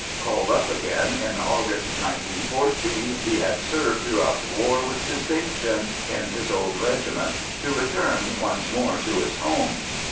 Called up again in August 1914, he had served throughout the war with distinction in his old regiment, to return once more to his home.